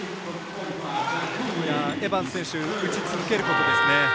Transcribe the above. エバンス選手打ち続けることですね。